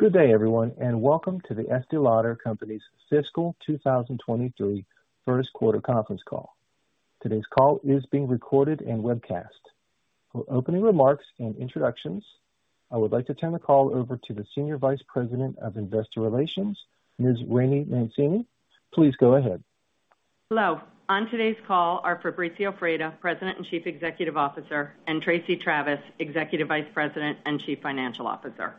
Good day, everyone, and welcome to The Estée Lauder Companies' Fiscal 2023 first quarter conference call. Today's call is being recorded and webcast. For opening remarks and introductions, I would like to turn the call over to the Senior Vice President of Investor Relations, Ms. Rainey Mancini. Please go ahead. Hello. On today's call are Fabrizio Freda, President and Chief Executive Officer, and Tracey Travis, Executive Vice President and Chief Financial Officer.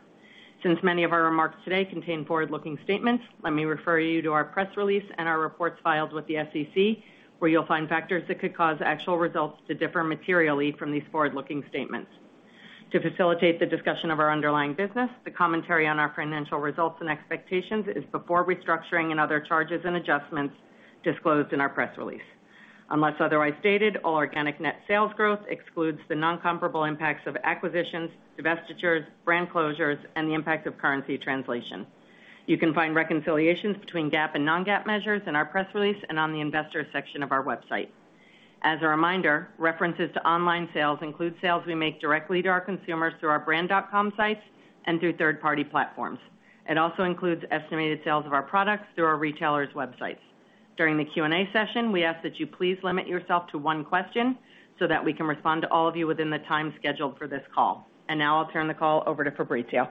Since many of our remarks today contain forward-looking statements, let me refer you to our press release and our reports filed with the SEC, where you'll find factors that could cause actual results to differ materially from these forward-looking statements. To facilitate the discussion of our underlying business, the commentary on our financial results and expectations is before restructuring and other charges and adjustments disclosed in our press release. Unless otherwise stated, all organic net sales growth excludes the non-comparable impacts of acquisitions, divestitures, brand closures, and the impact of currency translation. You can find reconciliations between GAAP and non-GAAP measures in our press release and on the investor section of our website. As a reminder, references to online sales include sales we make directly to our consumers through our brand.com sites and through third-party platforms. It also includes estimated sales of our products through our retailers' websites. During the Q&A session, we ask that you please limit yourself to one question so that we can respond to all of you within the time scheduled for this call. Now I'll turn the call over to Fabrizio.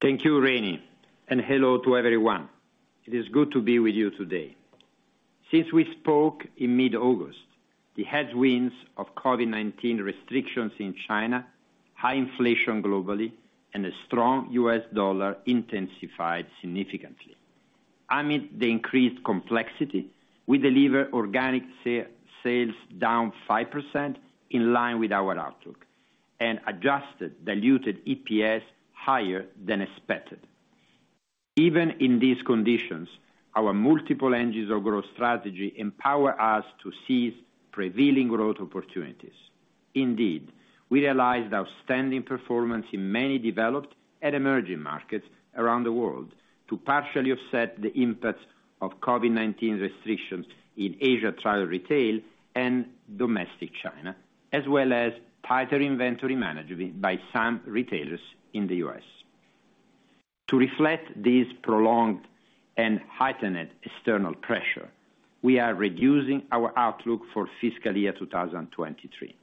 Thank you, Rainey, and hello to everyone. It is good to be with you today. Since we spoke in mid-August, the headwinds of COVID-19 restrictions in China, high inflation globally, and a strong US dollar intensified significantly. Amid the increased complexity, we deliver organic sales down 5% in line with our outlook, and adjusted diluted EPS higher than expected. Even in these conditions, our multiple engines of growth strategy empower us to seize prevailing growth opportunities. Indeed, we realized outstanding performance in many developed and emerging markets around the world to partially offset the impact of COVID-19 restrictions in Asia travel retail and domestic China, as well as tighter inventory management by some retailers in the US. To reflect this prolonged and heightened external pressure, we are reducing our outlook for fiscal year 2023,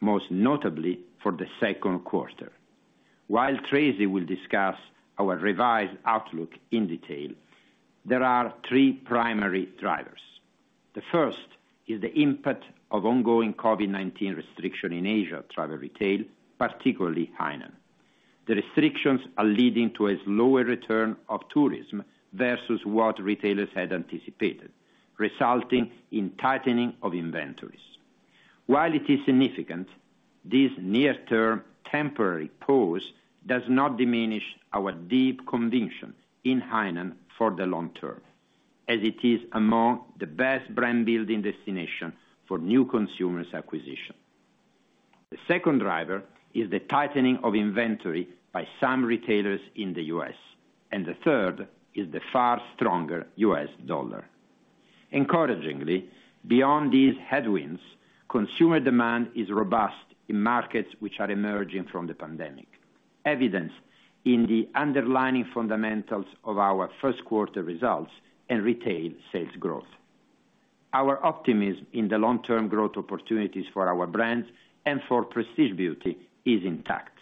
most notably for the second quarter. While Tracey will discuss our revised outlook in detail, there are three primary drivers. The first is the impact of ongoing COVID-19 restriction in Asia travel retail, particularly Hainan. The restrictions are leading to a lower return of tourism versus what retailers had anticipated, resulting in tightening of inventories. While it is significant, this near-term temporary pause does not diminish our deep conviction in Hainan for the long term, as it is among the best brand building destination for new consumers acquisition. The second driver is the tightening of inventory by some retailers in the U.S., and the third is the far stronger U.S. dollar. Encouragingly, beyond these headwinds, consumer demand is robust in markets which are emerging from the pandemic, evidenced in the underlying fundamentals of our first quarter results and retail sales growth. Our optimism in the long-term growth opportunities for our brands and for Prestige Beauty is intact.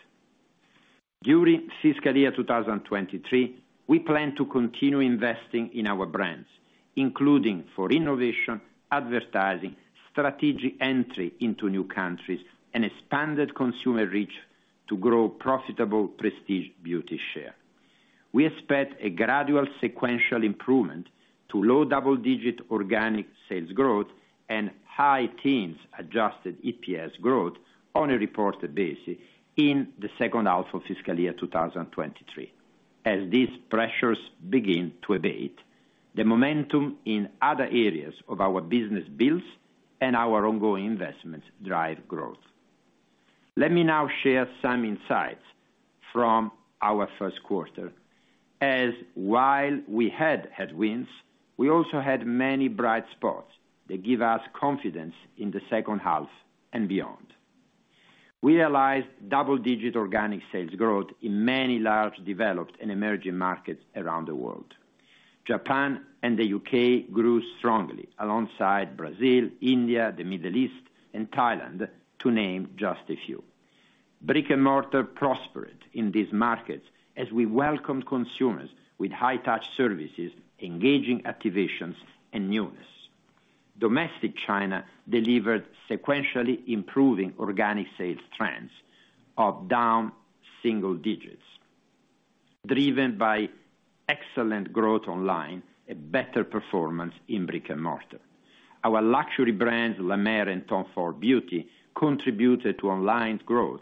During fiscal year 2023, we plan to continue investing in our brands, including for innovation, advertising, strategic entry into new countries, and expanded consumer reach to grow profitable Prestige Beauty share. We expect a gradual sequential improvement to low double-digit organic sales growth and high teens adjusted EPS growth on a reported basis in the second half of fiscal year 2023, as these pressures begin to abate, the momentum in other areas of our business builds and our ongoing investments drive growth. Let me now share some insights from our first quarter, as while we had headwinds, we also had many bright spots that give us confidence in the second half and beyond. We realized double-digit organic sales growth in many large developed and emerging markets around the world. Japan and the U.K. grew strongly alongside Brazil, India, the Middle East, and Thailand, to name just a few. Brick-and-mortar prospered in these markets as we welcomed consumers with high touch services, engaging activations, and newness. Domestic China delivered sequentially improving organic sales trends of down single digits, driven by excellent growth online and better performance in brick-and-mortar. Our luxury brands, La Mer and Tom Ford Beauty, contributed to online growth,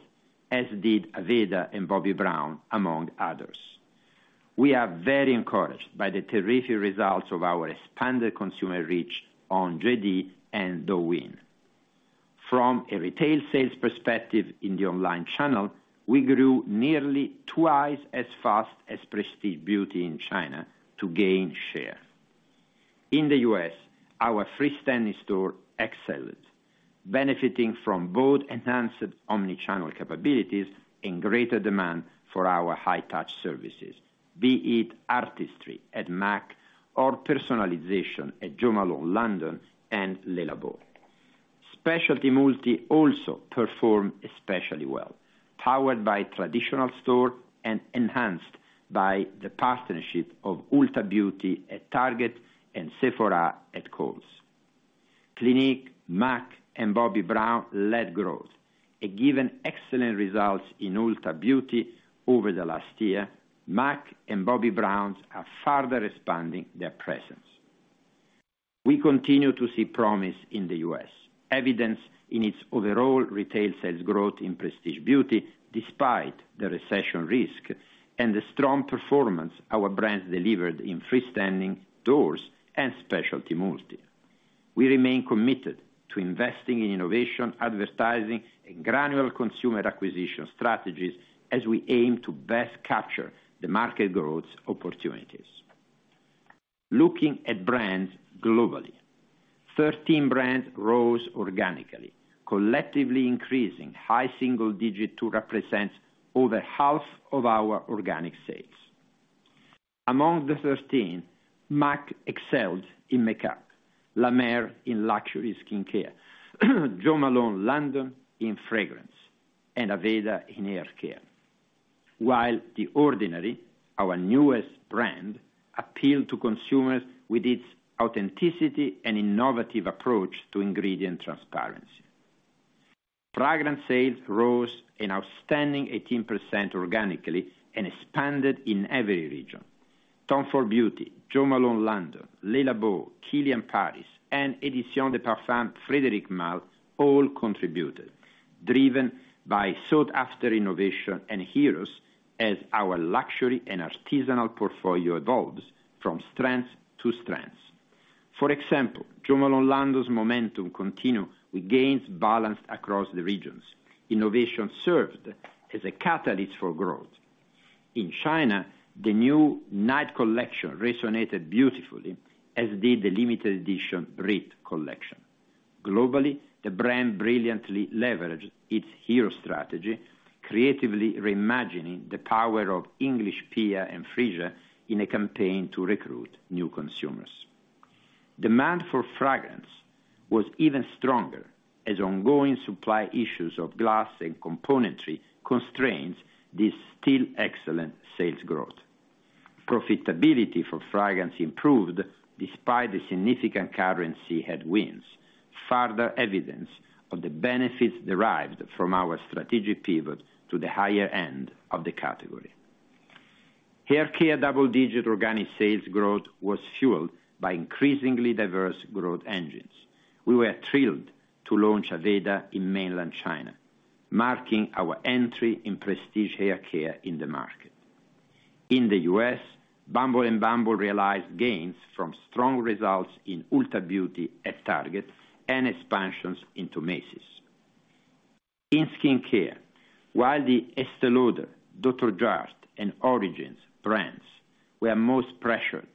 as did Aveda and Bobbi Brown, among others. We are very encouraged by the terrific results of our expanded consumer reach on JD and Douyin. From a retail sales perspective in the online channel, we grew nearly twice as fast as Prestige Beauty in China to gain share. In the U.S., our freestanding store excels, benefiting from both enhanced omni-channel capabilities and greater demand for our high touch services, be it artistry at MAC or personalization at Jo Malone London and Le Labo. Specialty multi also performed especially well, powered by traditional store and enhanced by the partnership of Ulta Beauty at Target and Sephora at Kohl's. Clinique, MAC, and Bobbi Brown led growth, and given excellent results in Ulta Beauty over the last year, MAC and Bobbi Brown are further expanding their presence. We continue to see promise in the U.S., evidence in its overall retail sales growth in prestige beauty despite the recession risk and the strong performance our brands delivered in freestanding stores and specialty multi. We remain committed to investing in innovation, advertising, and granular consumer acquisition strategies as we aim to best capture the market growth opportunities. Looking at brands globally, 13 brands rose organically, collectively increasing high single digit to represent over half of our organic sales. Among the 13, MAC excels in makeup, La Mer in luxury skincare, Jo Malone London in fragrance, and Aveda in haircare. While The Ordinary, our newest brand, appeal to consumers with its authenticity and innovative approach to ingredient transparency. Fragrance sales rose an outstanding 18% organically and expanded in every region. Tom Ford Beauty, Jo Malone London, Le Labo, KILIAN PARIS, and Éditions de Parfums Frédéric Malle all contributed, driven by sought-after innovation and heroes as our luxury and artisanal portfolio evolves from strength to strength. For example, Jo Malone London's momentum continued with gains balanced across the regions. Innovation served as a catalyst for growth. In China, the new Night Collection resonated beautifully, as did the limited edition Brit Collection. Globally, the brand brilliantly leveraged its hero strategy, creatively reimagining the power of English Pear & Freesia in a campaign to recruit new consumers. Demand for fragrance was even stronger as ongoing supply issues of glass and componentry constrains this still excellent sales growth. Profitability for fragrance improved despite the significant currency headwinds, further evidence of the benefits derived from our strategic pivot to the higher end of the category. Hair care double-digit organic sales growth was fueled by increasingly diverse growth engines. We were thrilled to launch Aveda in mainland China, marking our entry in prestige hair care in the market. In the US, Bumble and bumble realized gains from strong results in Ulta Beauty at Target and expansions into Macy's. In skincare, while the Estée Lauder, Dr. Jart+, and Origins brands were most pressured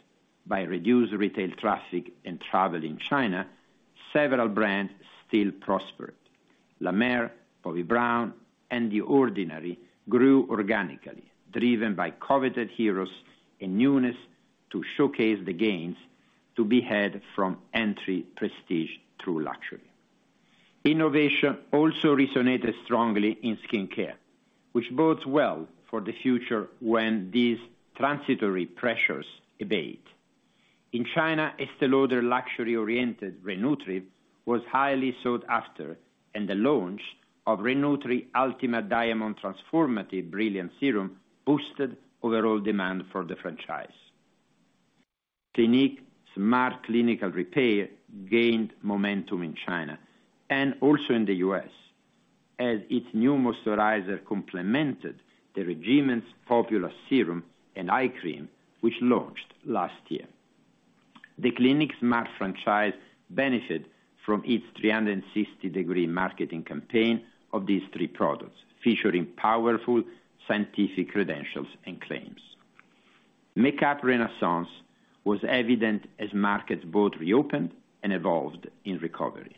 by reduced retail traffic and travel in China, several brands still prospered. La Mer, Bobbi Brown, and The Ordinary grew organically, driven by coveted heroes and newness to showcase the gains to be had from entry prestige through luxury. Innovation also resonated strongly in skincare, which bodes well for the future when these transitory pressures abate. In China, Estée Lauder luxury-oriented Re-Nutriv was highly sought after, and the launch of Re-Nutriv Ultimate Diamond Transformative Brilliance Serum boosted overall demand for the franchise. Clinique Smart Clinical Repair gained momentum in China and also in the U.S., as its new moisturizer complemented the regimen's popular serum and eye cream, which launched last year. The Clinique Smart franchise benefited from its 360-degree marketing campaign of these three products, featuring powerful scientific credentials and claims. Makeup renaissance was evident as markets both reopened and evolved in recovery.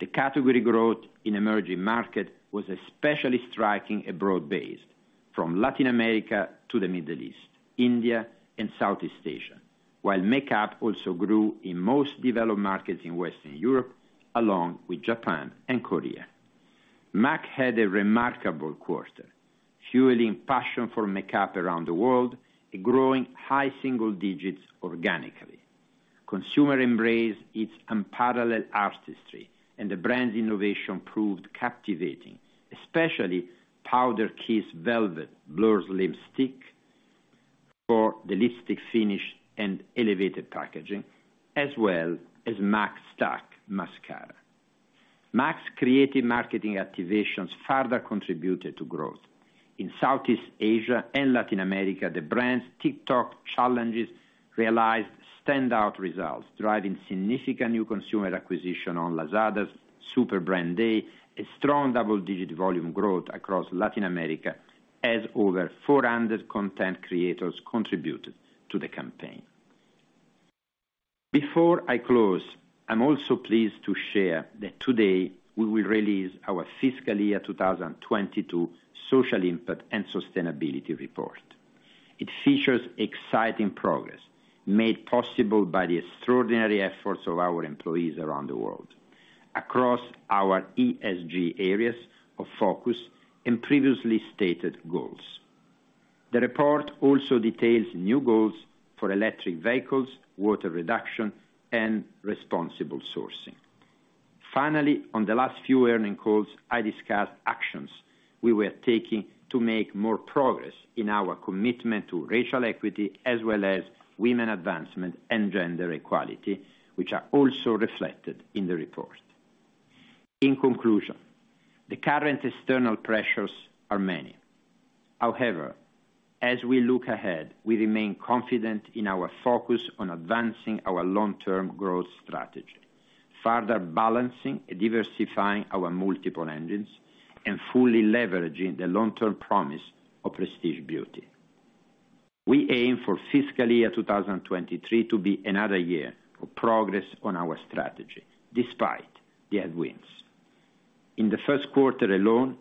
The category growth in emerging market was especially striking and broad-based, from Latin America to the Middle East, India and Southeast Asia. While makeup also grew in most developed markets in Western Europe, along with Japan and Korea. MAC had a remarkable quarter, fueling passion for makeup around the world and growing high single digits organically. Consumers embraced its unparalleled artistry, and the brand's innovation proved captivating, especially Powder Kiss Velvet Blur lipstick for the lipstick finish and elevated packaging, as well as MACStack Mascara. MAC's creative marketing activations further contributed to growth. In Southeast Asia and Latin America, the brand's TikTok challenges realized standout results, driving significant new consumer acquisition on Lazada's Super Brand Day, a strong double-digit volume growth across Latin America, as over 400 content creators contributed to the campaign. Before I close, I'm also pleased to share that today we will release our fiscal year 2022 social impact and sustainability report. It features exciting progress made possible by the extraordinary efforts of our employees around the world across our ESG areas of focus and previously stated goals. The report also details new goals for electric vehicles, water reduction, and responsible sourcing. Finally, on the last few earnings calls, I discussed actions we were taking to make more progress in our commitment to racial equity as well as women advancement and gender equality, which are also reflected in the report. In conclusion, the current external pressures are many. However, as we look ahead, we remain confident in our focus on advancing our long-term growth strategy, further balancing and diversifying our multiple engines and fully leveraging the long-term promise of prestige beauty. We aim for fiscal year 2023 to be another year of progress on our strategy despite the headwinds. In the first quarter alone,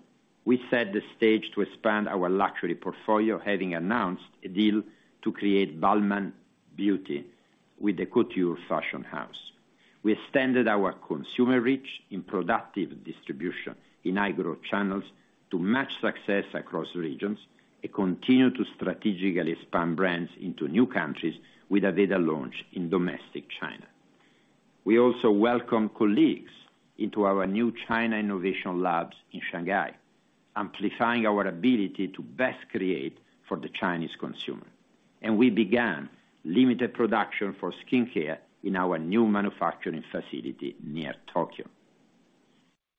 we set the stage to expand our luxury portfolio, having announced a deal to create Balmain Beauty with the couture fashion house. We extended our consumer reach in productive distribution in high-growth channels to match success across regions and continue to strategically expand brands into new countries with Aveda launch in domestic China. We also welcome colleagues into our new China innovation labs in Shanghai, amplifying our ability to best create for the Chinese consumer, and we began limited production for skincare in our new manufacturing facility near Tokyo.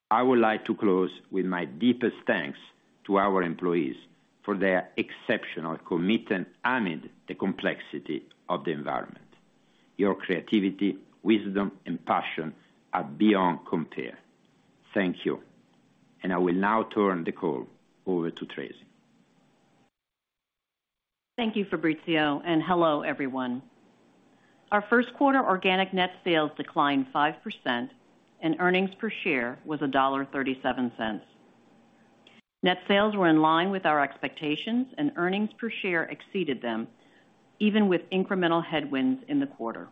I would like to close with my deepest thanks to our employees for their exceptional commitment amid the complexity of the environment. Your creativity, wisdom, and passion are beyond compare. Thank you. I will now turn the call over to Tracey. Thank you, Fabrizio, and hello, everyone. Our first quarter organic net sales declined 5% and earnings per share was $1.37. Net sales were in line with our expectations, and earnings per share exceeded them even with incremental headwinds in the quarter.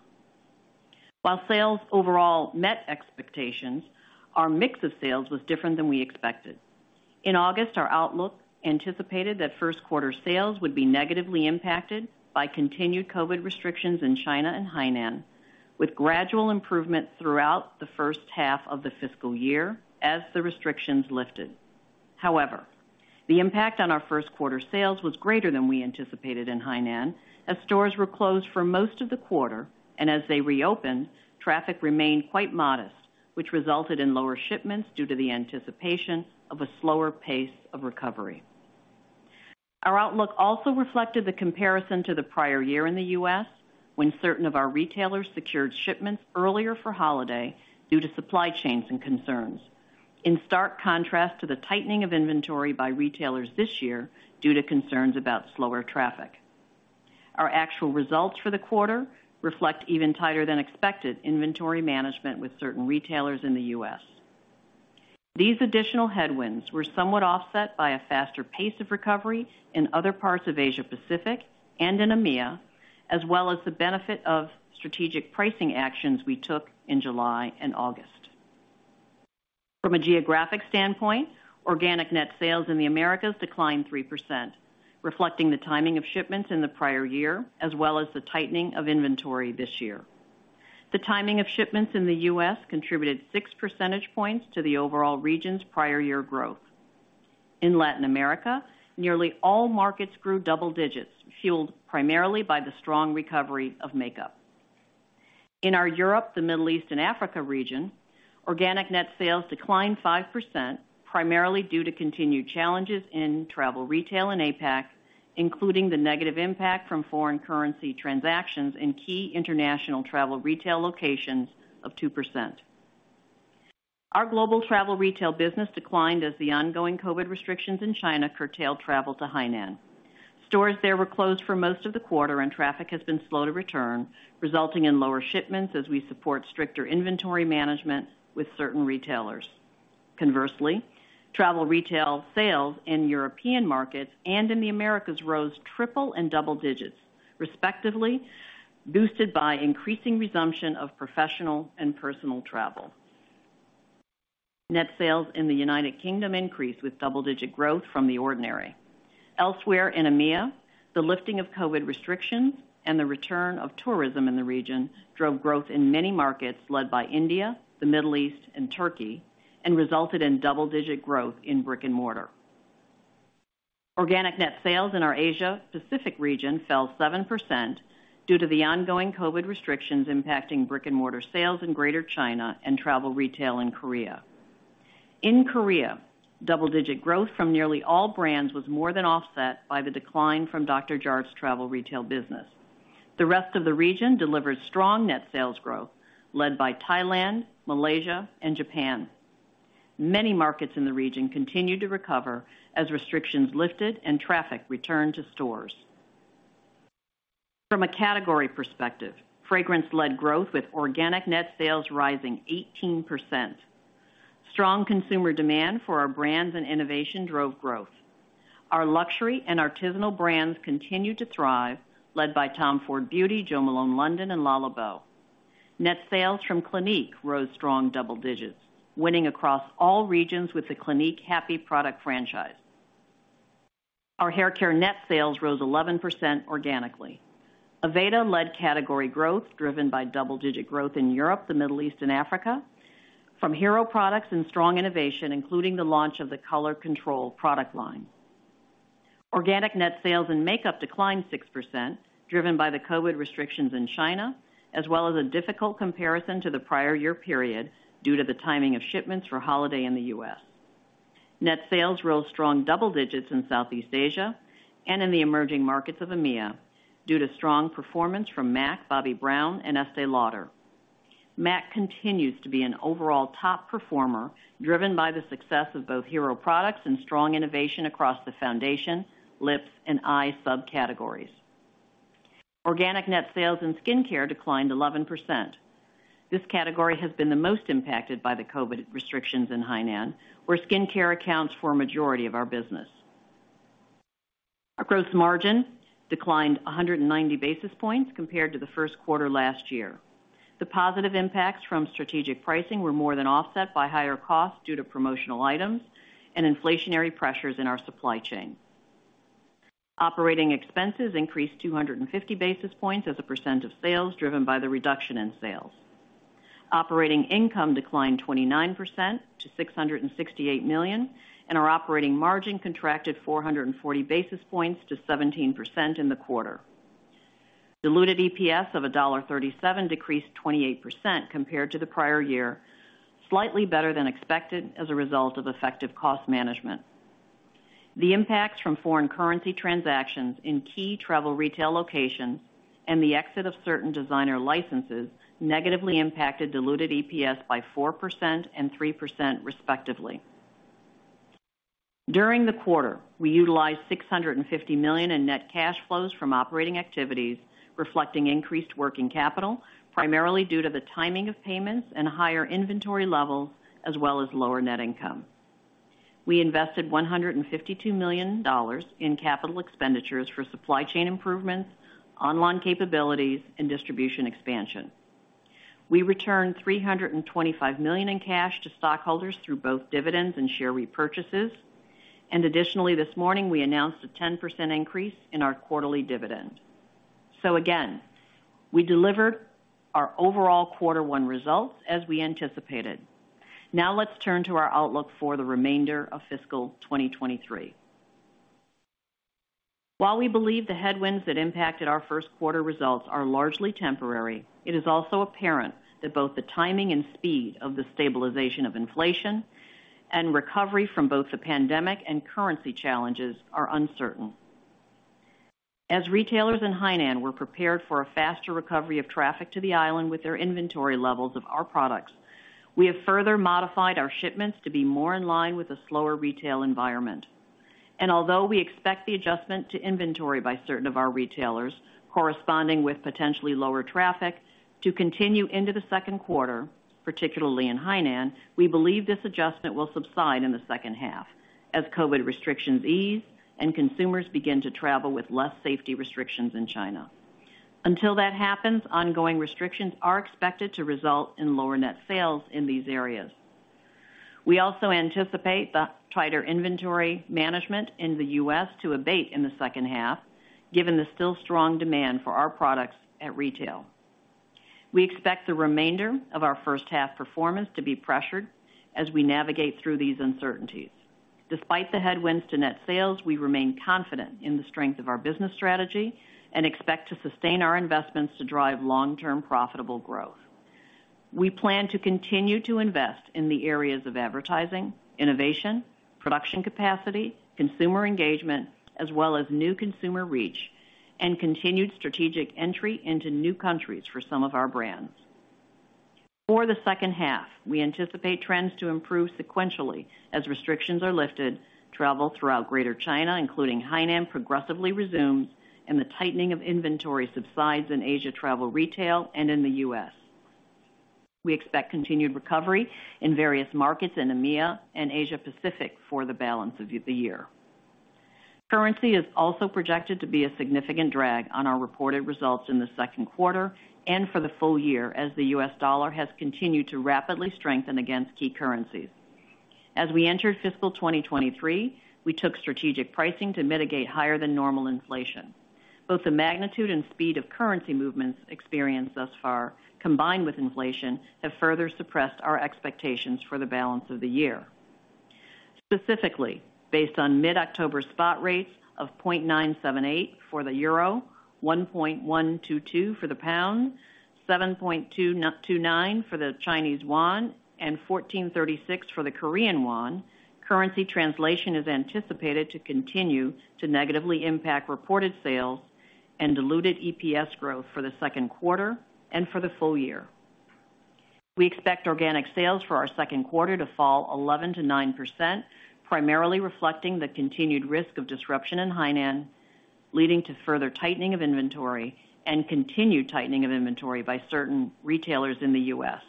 While sales overall met expectations, our mix of sales was different than we expected. In August, our outlook anticipated that first quarter sales would be negatively impacted by continued COVID-19 restrictions in China and Hainan, with gradual improvement throughout the first half of the fiscal year as the restrictions lifted. However, the impact on our first quarter sales was greater than we anticipated in Hainan as stores were closed for most of the quarter, and as they reopened, traffic remained quite modest, which resulted in lower shipments due to the anticipation of a slower pace of recovery. Our outlook also reflected the comparison to the prior year in the U.S. when certain of our retailers secured shipments earlier for holiday due to supply chains and concerns, in stark contrast to the tightening of inventory by retailers this year due to concerns about slower traffic. Our actual results for the quarter reflect even tighter than expected inventory management with certain retailers in the U.S. These additional headwinds were somewhat offset by a faster pace of recovery in other parts of Asia Pacific and in EMEA, as well as the benefit of strategic pricing actions we took in July and August. From a geographic standpoint, organic net sales in the Americas declined 3%, reflecting the timing of shipments in the prior year as well as the tightening of inventory this year. The timing of shipments in the U.S. contributed 6 percentage points to the overall region's prior year growth. In Latin America, nearly all markets grew double digits, fueled primarily by the strong recovery of makeup. In our Europe, the Middle East, and Africa region, organic net sales declined 5%, primarily due to continued challenges in travel retail and APAC, including the negative impact from foreign currency transactions in key international travel retail locations of 2%. Our global travel retail business declined as the ongoing COVID-19 restrictions in China curtailed travel to Hainan. Stores there were closed for most of the quarter and traffic has been slow to return, resulting in lower shipments as we support stricter inventory management with certain retailers. Conversely, travel retail sales in European markets and in the Americas rose triple and double digits, respectively, boosted by increasing resumption of professional and personal travel. Net sales in the United Kingdom increased with double-digit growth from The Ordinary. Elsewhere in EMEA, the lifting of COVID-19 restrictions and the return of tourism in the region drove growth in many markets led by India, the Middle East, and Turkey, and resulted in double-digit growth in brick-and-mortar. Organic net sales in our Asia Pacific region fell 7% due to the ongoing COVID-19 restrictions impacting brick-and-mortar sales in Greater China and travel retail in Korea. In Korea, double-digit growth from nearly all brands was more than offset by the decline from Dr. Jart+'s travel retail business. The rest of the region delivered strong net sales growth led by Thailand, Malaysia, and Japan. Many markets in the region continued to recover as restrictions lifted and traffic returned to stores. From a category perspective, fragrance led growth with organic net sales rising 18%. Strong consumer demand for our brands and innovation drove growth. Our luxury and artisanal brands continued to thrive, led by Tom Ford Beauty, Jo Malone London and Le Labo. Net sales from Clinique rose strong double digits, winning across all regions with the Clinique Happy product franchise. Our haircare net sales rose 11% organically. Aveda led category growth, driven by double-digit growth in Europe, the Middle East and Africa from hero products and strong innovation, including the launch of the Color Control product line. Organic net sales in makeup declined 6%, driven by the COVID restrictions in China, as well as a difficult comparison to the prior year period due to the timing of shipments for holiday in the U.S. Net sales rose strong double digits in Southeast Asia and in the emerging markets of EMEA due to strong performance from MAC, Bobbi Brown and Estée Lauder. MAC continues to be an overall top performer, driven by the success of both hero products and strong innovation across the foundation, lips and eye subcategories. Organic net sales in skincare declined 11%. This category has been the most impacted by the COVID restrictions in Hainan, where skincare accounts for a majority of our business. Our gross margin declined 190 basis points compared to the first quarter last year. The positive impacts from strategic pricing were more than offset by higher costs due to promotional items and inflationary pressures in our supply chain. Operating expenses increased 250 basis points as a percent of sales driven by the reduction in sales. Operating income declined 29% to $668 million, and our operating margin contracted 440 basis points to 17% in the quarter. Diluted EPS of $1.37 decreased 28% compared to the prior year, slightly better than expected as a result of effective cost management. The impacts from foreign currency transactions in key travel retail locations and the exit of certain designer licenses negatively impacted diluted EPS by 4% and 3% respectively. During the quarter, we utilized $650 million in net cash flows from operating activities, reflecting increased working capital, primarily due to the timing of payments and higher inventory levels as well as lower net income. We invested $152 million in capital expenditures for supply chain improvements, online capabilities and distribution expansion. We returned $325 million in cash to stockholders through both dividends and share repurchases. Additionally, this morning we announced a 10% increase in our quarterly dividend. Again, we delivered our overall quarter one results as we anticipated. Now let's turn to our outlook for the remainder of fiscal 2023. While we believe the headwinds that impacted our first quarter results are largely temporary, it is also apparent that both the timing and speed of the stabilization of inflation and recovery from both the pandemic and currency challenges are uncertain. As retailers in Hainan were prepared for a faster recovery of traffic to the island with their inventory levels of our products, we have further modified our shipments to be more in line with a slower retail environment. Although we expect the adjustment to inventory by certain of our retailers corresponding with potentially lower traffic to continue into the second quarter, particularly in Hainan, we believe this adjustment will subside in the second half as COVID restrictions ease and consumers begin to travel with less safety restrictions in China. Until that happens, ongoing restrictions are expected to result in lower net sales in these areas. We also anticipate the tighter inventory management in the US to abate in the second half, given the still strong demand for our products at retail. We expect the remainder of our first half performance to be pressured as we navigate through these uncertainties. Despite the headwinds to net sales, we remain confident in the strength of our business strategy and expect to sustain our investments to drive long-term profitable growth. We plan to continue to invest in the areas of advertising, innovation, production capacity, consumer engagement, as well as new consumer reach and continued strategic entry into new countries for some of our brands. For the second half, we anticipate trends to improve sequentially as restrictions are lifted, travel throughout Greater China, including Hainan, progressively resumes, and the tightening of inventory subsides in Asia travel retail and in the U.S. We expect continued recovery in various markets in EMEA and Asia Pacific for the balance of the year. Currency is also projected to be a significant drag on our reported results in the second quarter and for the full year as the U.S. dollar has continued to rapidly strengthen against key currencies. As we entered fiscal 2023, we took strategic pricing to mitigate higher than normal inflation. Both the magnitude and speed of currency movements experienced thus far, combined with inflation, have further suppressed our expectations for the balance of the year. Specifically, based on mid-October spot rates of 0.978 for the EUR, 1.122 for the GBP, 7.229 for the CNY, and 1,436 for the KRW, currency translation is anticipated to continue to negatively impact reported sales. Diluted EPS growth for the second quarter and for the full year. We expect organic sales for our second quarter to fall 11%-9%, primarily reflecting the continued risk of disruption in Hainan, leading to further tightening of inventory by certain retailers in the US.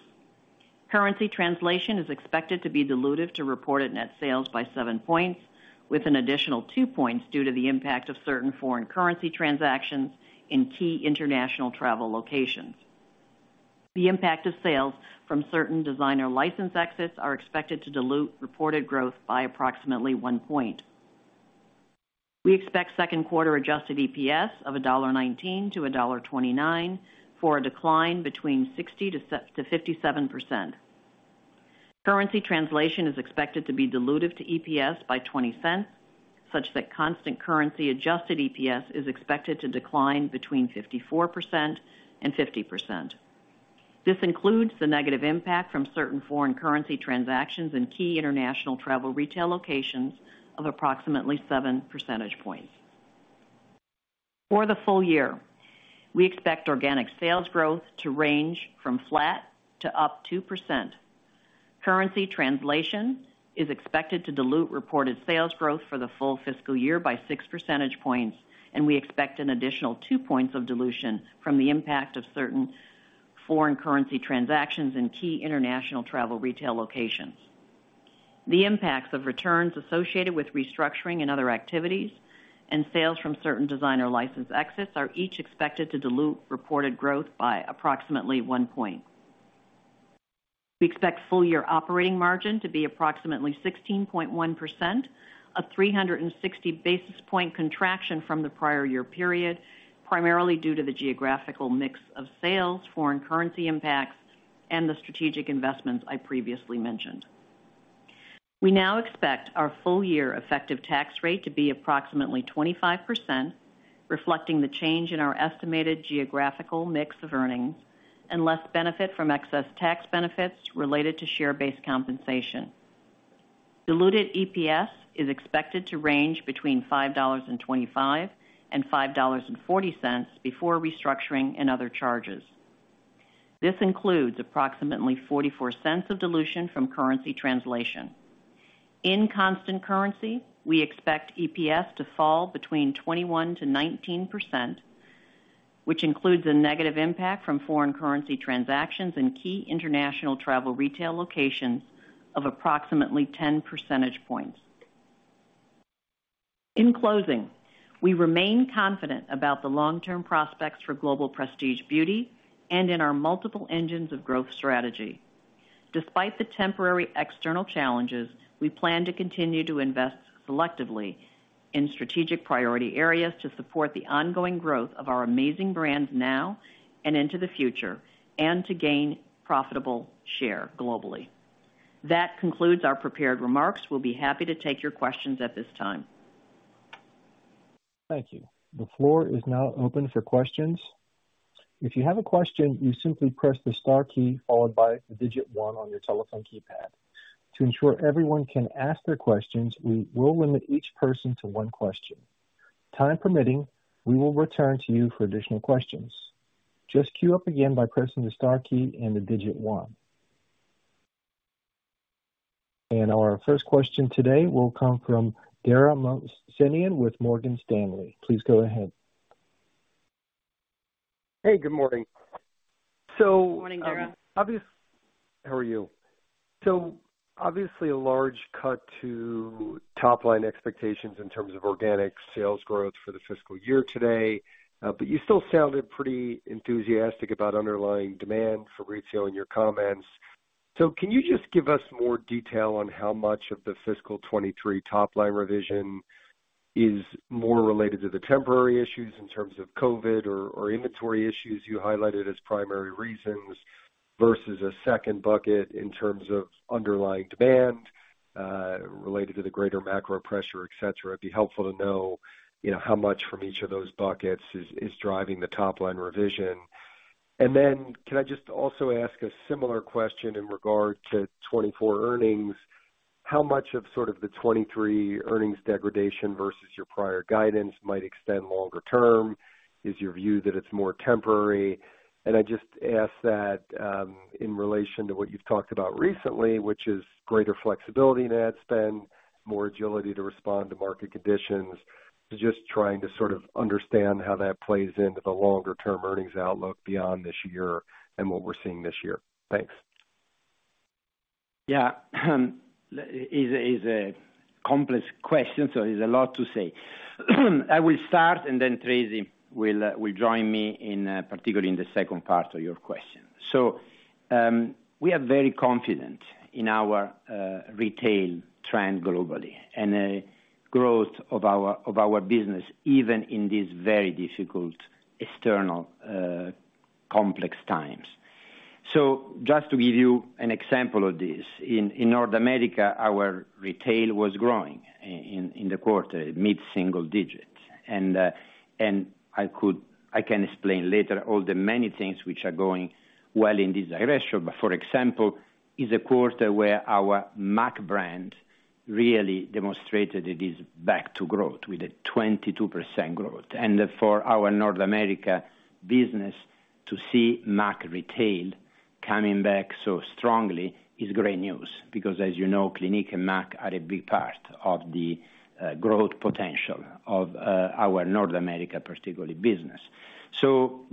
Currency translation is expected to be dilutive to reported net sales by 7 points, with an additional 2 points due to the impact of certain foreign currency transactions in key international travel locations. The impact of sales from certain designer license exits are expected to dilute reported growth by approximately 1 point. We expect second quarter adjusted EPS of $1.19-$1.29 for a decline between 60%-57%. Currency translation is expected to be dilutive to EPS by $0.20, such that constant currency adjusted EPS is expected to decline between 54% and 50%. This includes the negative impact from certain foreign currency transactions in key international travel retail locations of approximately 7 percentage points. For the full year, we expect organic sales growth to range from flat to up 2%. Currency translation is expected to dilute reported sales growth for the full fiscal year by 6 percentage points, and we expect an additional 2 points of dilution from the impact of certain foreign currency transactions in key international travel retail locations. The impacts of returns associated with restructuring and other activities and sales from certain designer license exits are each expected to dilute reported growth by approximately 1%. We expect full year operating margin to be approximately 16.1%, a 360 basis point contraction from the prior year period, primarily due to the geographical mix of sales, foreign currency impacts, and the strategic investments I previously mentioned. We now expect our full year effective tax rate to be approximately 25%, reflecting the change in our estimated geographical mix of earnings and less benefit from excess tax benefits related to share-based compensation. Diluted EPS is expected to range between $5.25 and $5.40 before restructuring and other charges. This includes approximately $0.44 of dilution from currency translation. In constant currency, we expect EPS to fall between 21%-19%, which includes a negative impact from foreign currency transactions in key international travel retail locations of approximately 10 percentage points. In closing, we remain confident about the long-term prospects for global prestige beauty and in our multiple engines of growth strategy. Despite the temporary external challenges, we plan to continue to invest selectively in strategic priority areas to support the ongoing growth of our amazing brands now and into the future and to gain profitable share globally. That concludes our prepared remarks. We'll be happy to take your questions at this time. Thank you. The floor is now open for questions. If you have a question, you simply press the star key followed by the digit one on your telephone keypad. To ensure everyone can ask their questions, we will limit each person to one question. Time permitting, we will return to you for additional questions. Just queue up again by pressing the star key and the digit one. Our first question today will come from Dara Mohsenian with Morgan Stanley. Please go ahead. Hey, good morning. Morning, Dara. How are you? Obviously a large cut to top line expectations in terms of organic sales growth for the fiscal year today, but you still sounded pretty enthusiastic about underlying demand for retail in your comments. Can you just give us more detail on how much of the fiscal 2023 top line revision is more related to the temporary issues in terms of COVID or inventory issues you highlighted as primary reasons, versus a second bucket in terms of underlying demand related to the greater macro pressure, et cetera? It'd be helpful to know, you know, how much from each of those buckets is driving the top line revision. Then can I just also ask a similar question in regard to 2024 earnings? How much of sort of the 2023 earnings degradation versus your prior guidance might extend longer term? Is your view that it's more temporary? I just ask that in relation to what you've talked about recently, which is greater flexibility to ad spend, more agility to respond to market conditions. Just trying to sort of understand how that plays into the longer term earnings outlook beyond this year and what we're seeing this year. Thanks. It's a complex question, so it's a lot to say. I will start and then Tracey will join me, particularly in the second part of your question. We are very confident in our retail trend globally and growth of our business even in these very difficult external complex times. Just to give you an example of this, in North America, our retail was growing in the quarter, mid-single digits. I can explain later all the many things which are going well in this direction. For example, it's a quarter where our MAC brand really demonstrated it is back to growth with a 22% growth. For our North America business to see MAC retail coming back so strongly is great news because as you know, Clinique and MAC are a big part of the growth potential of our North America business, particularly.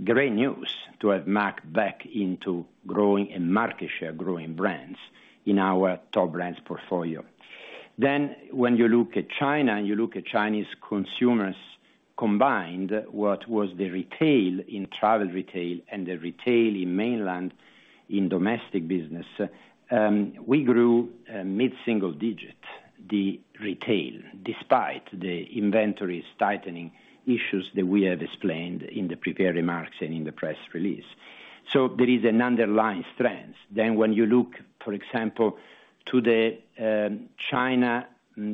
Great news to have MAC back into growing and market share growing brands in our top brands portfolio. When you look at China and you look at Chinese consumers combined, what was the retail in travel retail and the retail in mainland in domestic business, we grew mid-single digit the retail, despite the inventories tightening issues that we have explained in the prepared remarks and in the press release. There is an underlying strength. When you look, for example, to the China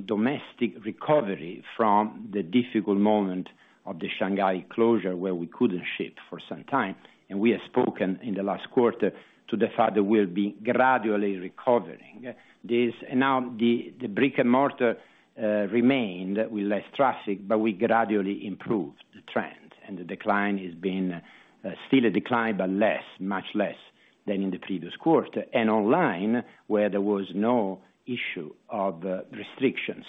domestic recovery from the difficult moment of the Shanghai closure, where we couldn't ship for some time, and we have spoken in the last quarter to the fact that we'll be gradually recovering. Now, the brick and mortar remained with less traffic, but we gradually improved the trend, and the decline has been still a decline, but less, much less than in the previous quarter. Online, where there was no issue of restrictions,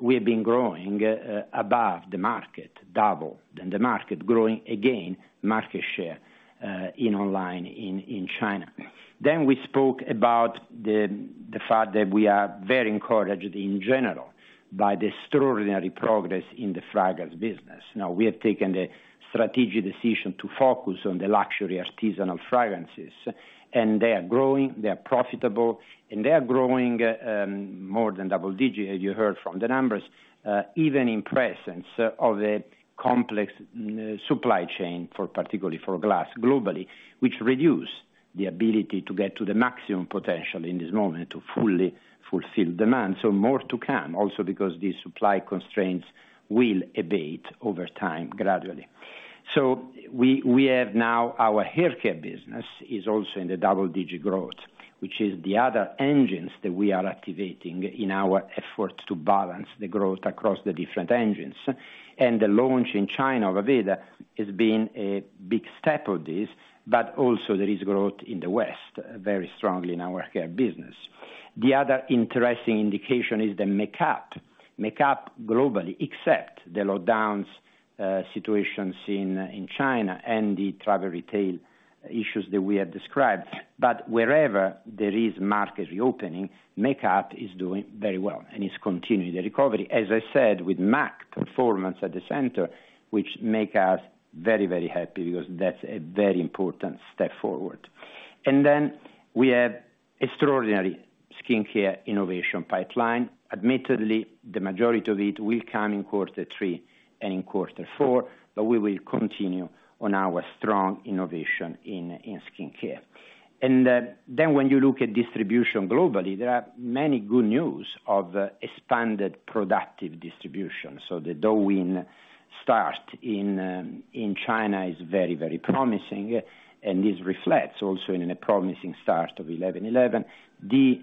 we have been growing above the market, double than the market, growing, again, market share in online in China. We spoke about the fact that we are very encouraged in general by the extraordinary progress in the fragrance business. Now, we have taken the strategic decision to focus on the luxury artisanal fragrances, and they are growing, they are profitable, and they are growing more than double-digit, as you heard from the numbers, even in presence of a complex supply chain for, particularly for glass globally, which reduce the ability to get to the maximum potential in this moment to fully fulfill demand. More to come, also because these supply constraints will abate over time gradually. We have now our hair care business is also in the double-digit growth, which is the other engines that we are activating in our effort to balance the growth across the different engines. The launch in China, Aveda, has been a big step of this, but also there is growth in the West, very strongly in our hair care business. The other interesting indication is the makeup. Makeup globally, except the lockdowns, situations in China and the travel retail issues that we have described. Wherever there is market reopening, makeup is doing very well and is continuing the recovery. As I said, with MAC performance at the center, which make us very, very happy because that's a very important step forward. We have extraordinary skincare innovation pipeline. Admittedly, the majority of it will come in quarter three and in quarter four, but we will continue on our strong innovation in skincare. When you look at distribution globally, there are many good news of expanded product distribution. The Douyin start in China is very, very promising, and this reflects also in a promising start of 11.11. The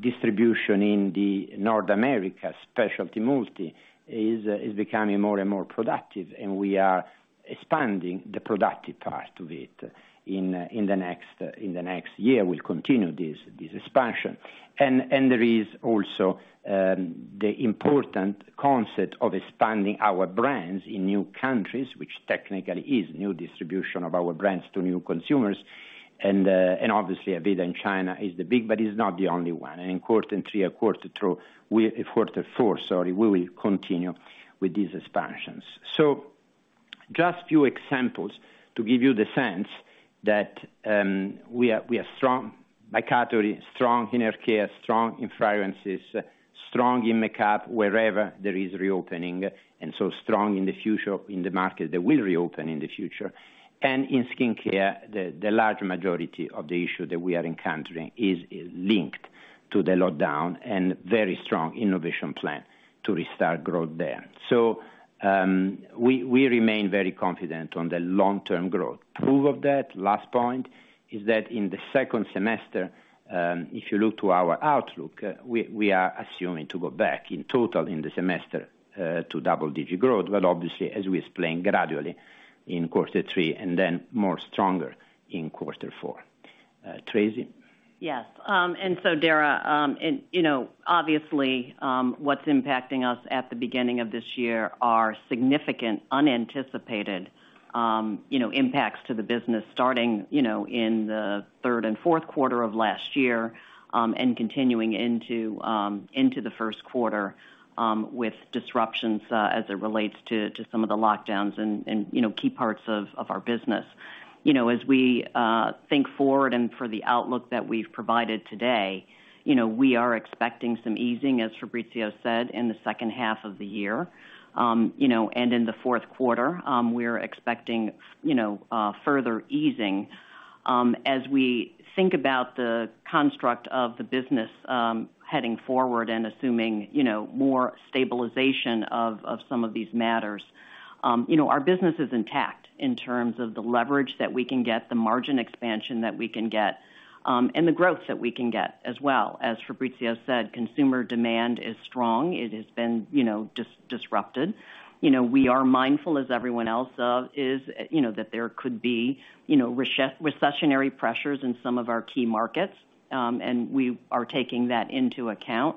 distribution in the North America specialty multi is becoming more and more productive, and we are expanding the productive part of it in the next year. We'll continue this expansion. There is also the important concept of expanding our brands in new countries, which technically is new distribution of our brands to new consumers. Obviously, Aveda in China is the big, but is not the only one. In quarter three or quarter four, sorry, we will continue with these expansions. Just few examples to give you the sense that we are strong by category, strong in hair care, strong in fragrances, strong in makeup wherever there is reopening, and so strong in the future in the market that will reopen in the future. In skincare, the large majority of the issue that we are encountering is linked to the lockdown and very strong innovation plan to restart growth there. We remain very confident on the long-term growth. Proof of that, last point, is that in the second semester, if you look to our outlook, we are assuming to go back in total in the semester, to double-digit growth. Obviously, as we explained, gradually in quarter three, and then more stronger in quarter four. Tracey? Yes. Dara, obviously, what's impacting us at the beginning of this year are significant unanticipated impacts to the business starting in the third and fourth quarter of last year and continuing into the first quarter with disruptions as it relates to some of the lockdowns and key parts of our business. You know, as we think forward and for the outlook that we've provided today, you know, we are expecting some easing, as Fabrizio said, in the second half of the year. In the fourth quarter, we're expecting, you know, further easing. As we think about the construct of the business, heading forward and assuming, you know, more stabilization of some of these matters, you know, our business is intact in terms of the leverage that we can get, the margin expansion that we can get, and the growth that we can get as well. As Fabrizio said, consumer demand is strong. It has been, you know, disrupted. You know, we are mindful, as everyone else is, you know, that there could be, you know, recessionary pressures in some of our key markets, and we are taking that into account.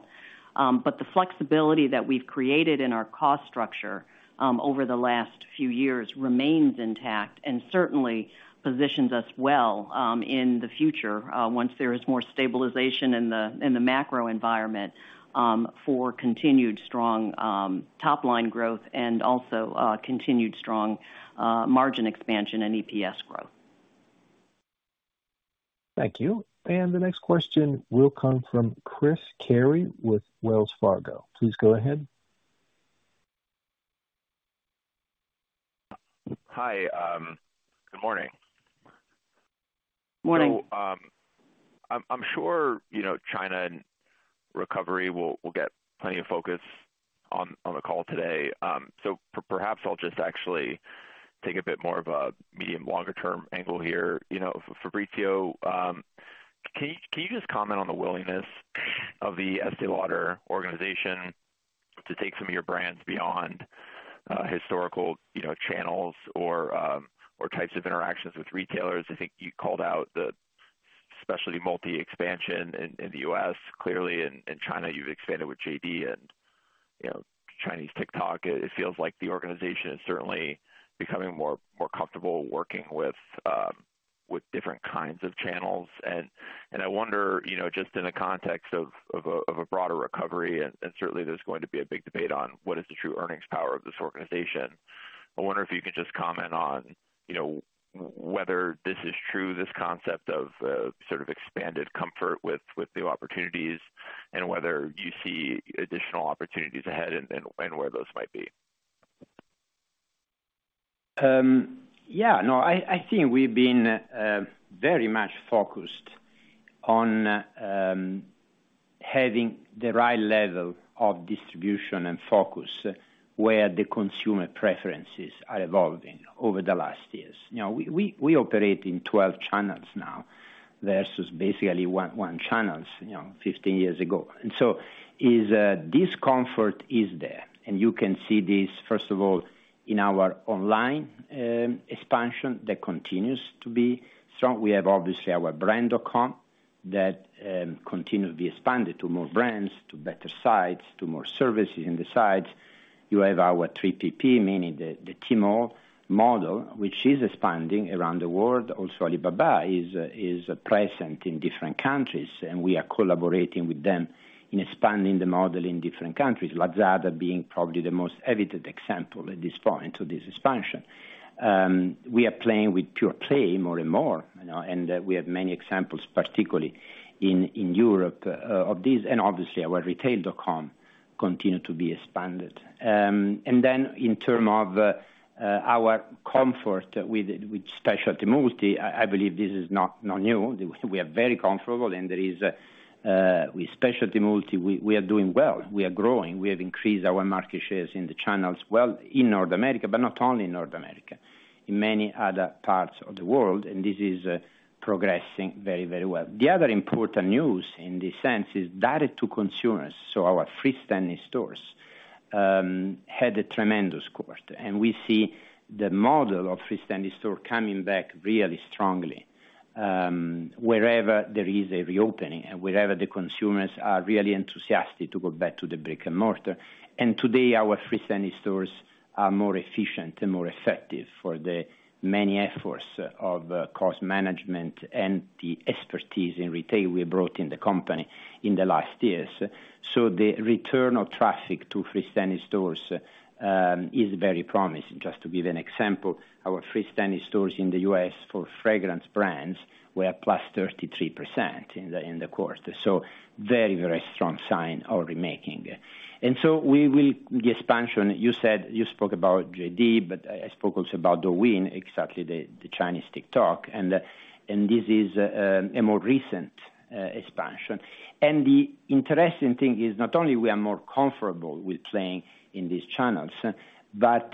The flexibility that we've created in our cost structure over the last few years remains intact and certainly positions us well in the future once there is more stabilization in the macro environment for continued strong top line growth and also continued strong margin expansion and EPS growth. Thank you. The next question will come from Chris Carey with Wells Fargo. Please go ahead. Hi, good morning. Morning. I'm sure, you know, China and recovery will get plenty of focus on the call today. Perhaps I'll just actually take a bit more of a medium longer term angle here. You know, Fabrizio, can you just comment on the willingness of the Estée Lauder organization to take some of your brands beyond historical, you know, channels or types of interactions with retailers? I think you called out the specialty multi expansion in the U.S. Clearly in China you've expanded with JD.com and, you know, Chinese TikTok. It feels like the organization is certainly becoming more comfortable working with different kinds of channels. I wonder, you know, just in the context of a broader recovery, and certainly there's going to be a big debate on what is the true earnings power of this organization. I wonder if you could just comment on, you know, whether this is true, this concept of sort of expanded comfort with new opportunities and whether you see additional opportunities ahead and where those might be. Yeah, no, I think we've been very much focused on having the right level of distribution and focus where the consumer preferences are evolving over the last years. You know, we operate in 12 channels now versus basically one channel, you know, 15 years ago. This comfort is there, and you can see this first of all in our online expansion that continues to be strong. We have obviously our brand.com that continue to be expanded to more brands, to better sites, to more services in the sites. You have our 3PP, meaning the Tmall model, which is expanding around the world. Alibaba is present in different countries, and we are collaborating with them in expanding the model in different countries, Lazada being probably the most evident example at this point to this expansion. We are playing with pure play more and more, you know, and we have many examples, particularly in Europe of these, and obviously our retail.com continue to be expanded. And then in terms of our comfort with specialty multi, I believe this is not new. We are very comfortable and there is with specialty multi we are doing well. We are growing. We have increased our market shares in the channels well in North America, but not only in North America, in many other parts of the world, and this is progressing very, very well. The other important news in this sense is direct to consumers, so our freestanding stores had a tremendous quarter, and we see the model of freestanding store coming back really strongly, wherever there is a reopening and wherever the consumers are really enthusiastic to go back to the brick and mortar. Today, our freestanding stores are more efficient and more effective for the many efforts of cost management and the expertise in retail we brought in the company in the last years. The return of traffic to freestanding stores is very promising. Just to give an example, our freestanding stores in the U.S. for fragrance brands were up +33% in the quarter. Very, very strong sign of recovery. The expansion, you said you spoke about JD, but I spoke also about Douyin, exactly the Chinese TikTok, and this is a more recent expansion. The interesting thing is not only we are more comfortable with playing in these channels, but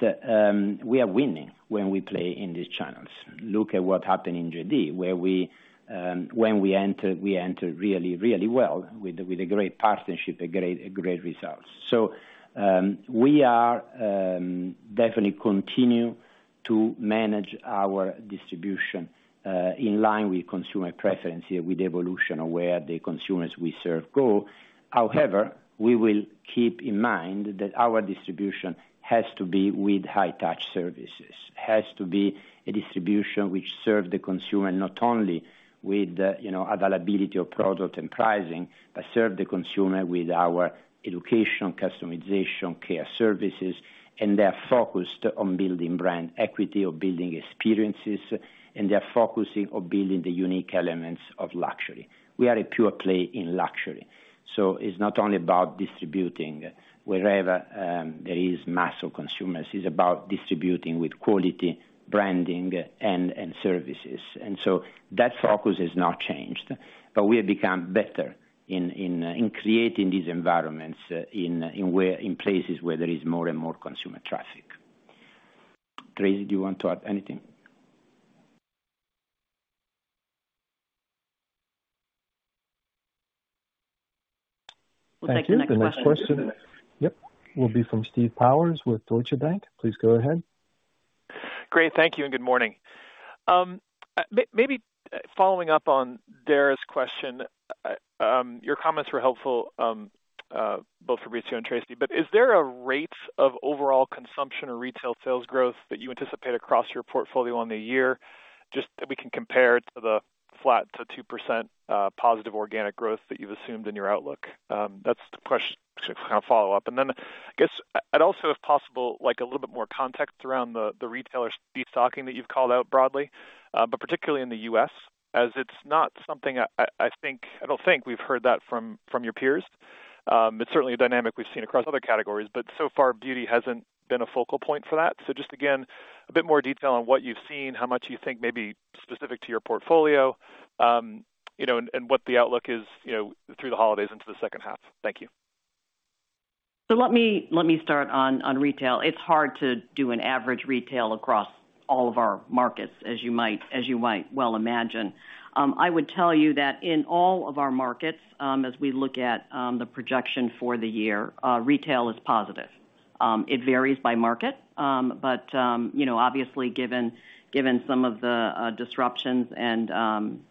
we are winning when we play in these channels. Look at what happened in JD, where we entered really well with a great partnership, a great results. We are definitely continue to manage our distribution in line with consumer preference here, with evolution of where the consumers we serve go. However, we will keep in mind that our distribution has to be with high touch services, has to be a distribution which serve the consumer not only with, you know, availability of product and pricing, but serve the consumer with our education, customization, care services, and they are focused on building brand equity or building experiences, and they are focusing on building the unique elements of luxury. We are a pure play in luxury, so it's not only about distributing wherever there is mass of consumers. It's about distributing with quality, branding, and services. That focus has not changed, but we have become better in creating these environments in places where there is more and more consumer traffic. Tracey, do you want to add anything? Thank you. The next question. We'll take the next question. Yep. Will be from Steve Powers with Deutsche Bank. Please go ahead. Great. Thank you, and good morning. Maybe following up on Dara's question, your comments were helpful, both Fabrizio and Tracey, but is there a rate of overall consumption or retail sales growth that you anticipate across your portfolio on the year, just that we can compare to the flat to 2% positive organic growth that you've assumed in your outlook? That's the question to kind of follow up. Then I guess I'd also, if possible, like a little bit more context around the retailer's destocking that you've called out broadly, but particularly in the U.S., as it's not something I don't think we've heard that from your peers. It's certainly a dynamic we've seen across other categories, but so far, beauty hasn't been a focal point for that. Just again, a bit more detail on what you've seen, how much you think may be specific to your portfolio, you know, and what the outlook is, you know, through the holidays into the second half. Thank you. Let me start on retail. It's hard to do an average retail across all of our markets, as you might well imagine. I would tell you that in all of our markets, as we look at the projection for the year, retail is positive. It varies by market, but you know, obviously given some of the disruptions and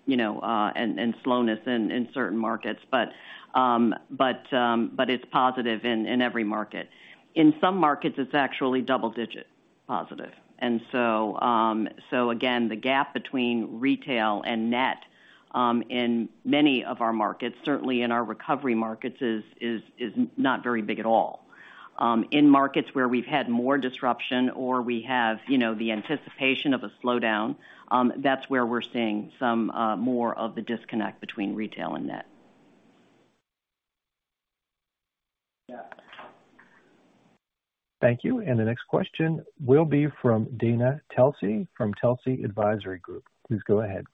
you know, and slowness in certain markets, but it's positive in every market. In some markets, it's actually double-digit positive. Again, the gap between retail and net in many of our markets, certainly in our recovery markets, is not very big at all. In markets where we've had more disruption or we have, you know, the anticipation of a slowdown, that's where we're seeing some more of the disconnect between retail and net. Thank you. The next question will be from Dana Telsey from Telsey Advisory Group. Please go ahead.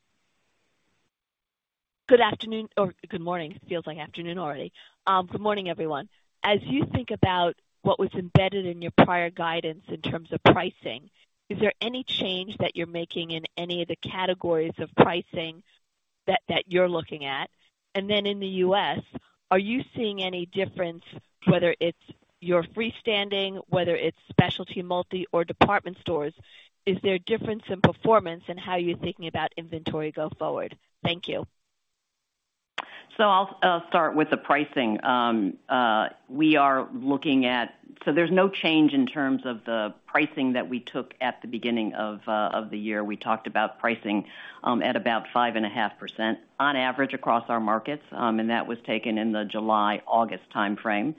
Good afternoon or good morning. It feels like afternoon already. Good morning, everyone. As you think about what was embedded in your prior guidance in terms of pricing, is there any change that you're making in any of the categories of pricing that you're looking at? Then in the US, are you seeing any difference, whether it's your freestanding, whether it's specialty, multi or department stores, is there a difference in performance in how you're thinking about inventory go forward? Thank you. I'll start with the pricing. There's no change in terms of the pricing that we took at the beginning of the year. We talked about pricing at about 5.5% on average across our markets, and that was taken in the July-August timeframe.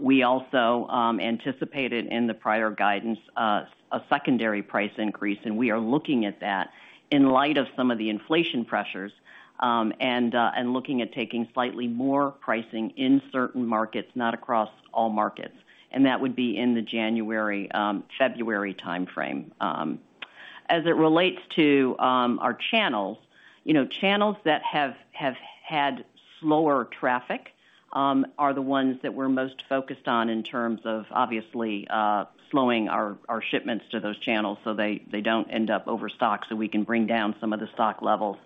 We also anticipated in the prior guidance a secondary price increase, and we are looking at that in light of some of the inflation pressures, and looking at taking slightly more pricing in certain markets, not across all markets. That would be in the January-February timeframe. As it relates to our channels, you know, channels that have had slower traffic are the ones that we're most focused on in terms of obviously slowing our shipments to those channels so they don't end up overstocked, so we can bring down some of the stock levels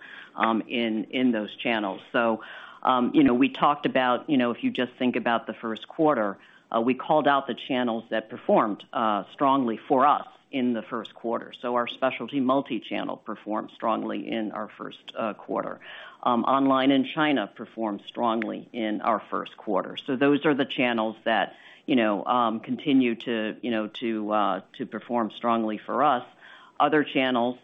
in those channels. You know, we talked about, you know, if you just think about the first quarter, we called out the channels that performed strongly for us in the first quarter. Our specialty multi-channel performed strongly in our first quarter. Online in China performed strongly in our first quarter. Those are the channels that, you know, continue to perform strongly for us. Other channels,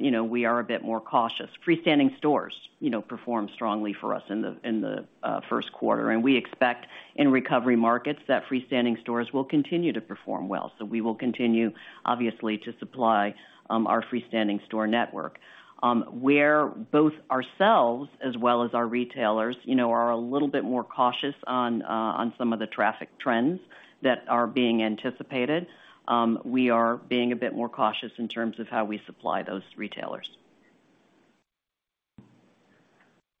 you know, we are a bit more cautious. Freestanding stores, you know, performed strongly for us in the first quarter. We expect in recovery markets that freestanding stores will continue to perform well. We will continue, obviously, to supply our freestanding store network. Where both ourselves as well as our retailers, you know, are a little bit more cautious on some of the traffic trends that are being anticipated, we are being a bit more cautious in terms of how we supply those retailers.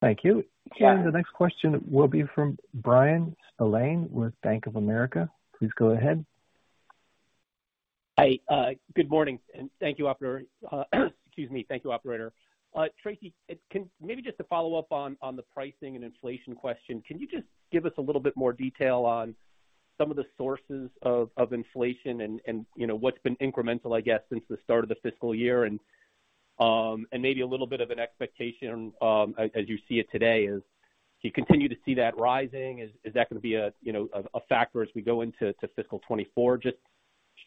Thank you. Yeah. The next question will be from Bryan Spillane with Bank of America. Please go ahead. Hi. Good morning, and thank you, operator. Excuse me. Thank you, operator. Tracey, maybe just to follow up on the pricing and inflation question, can you just give us a little bit more detail on some of the sources of inflation and, you know, what's been incremental, I guess, since the start of the fiscal year? Maybe a little bit of an expectation as you see it today. Do you continue to see that rising? Is that gonna be a, you know, a factor as we go into fiscal 2024? Just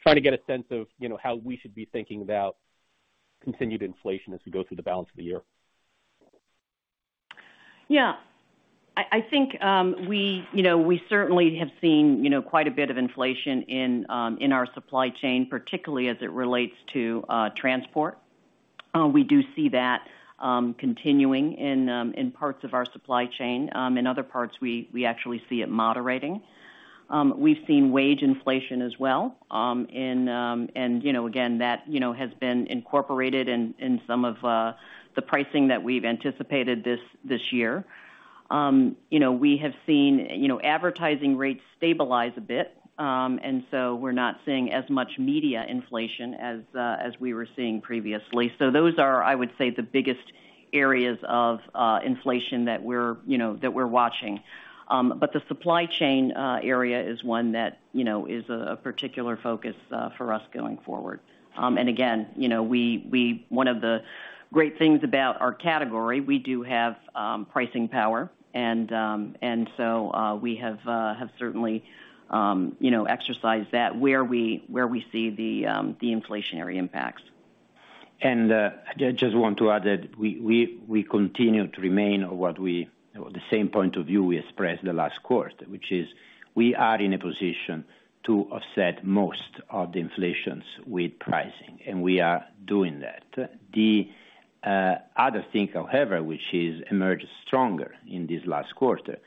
trying to get a sense of, you know, how we should be thinking about continued inflation as we go through the balance of the year. Yeah. I think, you know, we certainly have seen, you know, quite a bit of inflation in our supply chain, particularly as it relates to transport. We do see that continuing in parts of our supply chain. In other parts, we actually see it moderating. We've seen wage inflation as well, in... You know, again, that, you know, has been incorporated in some of the pricing that we've anticipated this year. You know, we have seen, you know, advertising rates stabilize a bit. We're not seeing as much media inflation as we were seeing previously. Those are, I would say, the biggest areas of inflation that we're, you know, that we're watching. The supply chain area is one that, you know, is a particular focus for us going forward. Again, you know, one of the great things about our category, we do have pricing power. We have certainly, you know, exercised that where we see the inflationary impacts. I just want to add that we continue to remain on the same point of view we expressed the last quarter, which is we are in a position to offset most of the inflation with pricing, and we are doing that. The other thing, however, which has emerged stronger in this last quarter,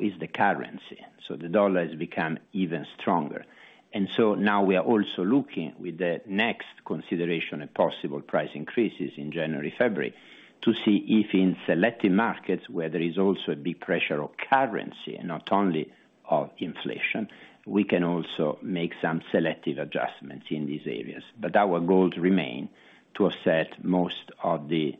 is the currency. The dollar has become even stronger. Now we are also looking at the next consideration of possible price increases in January, February to see if in selected markets where there is also a big pressure of currency and not only of inflation, we can also make some selective adjustments in these areas. Our goals remain to offset most of the